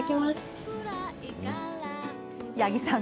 八木さん